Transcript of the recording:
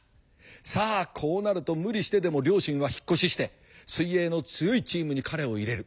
さあこうなると無理してでも両親は引っ越しして水泳の強いチームに彼を入れる。